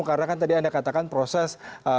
karena kan tadi anda katakan proses